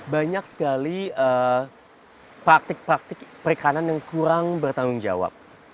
banyak sekali praktik praktik perikanan yang kurang bertanggung jawab